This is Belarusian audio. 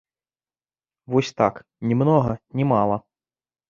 Вось так, ні многа, ні мала.